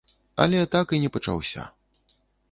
Але так і не пачаўся.